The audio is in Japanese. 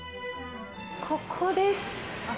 ここです。